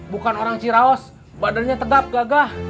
bukan orang ciraos badannya tegap gagah